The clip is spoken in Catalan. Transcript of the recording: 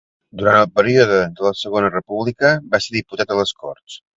Durant el període de la Segona República va ser diputat a les Corts.